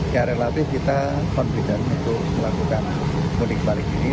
ya relatif kita confident untuk melakukan mudik balik ini